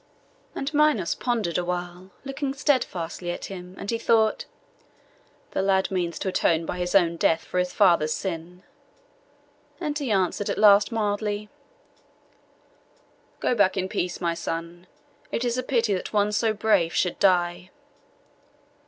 And Minos pondered awhile, looking steadfastly at him, and he thought, 'The lad means to atone by his own death for his father's sin;' and he answered at last mildly— 'Go back in peace, my son. It is a pity that one so brave should die.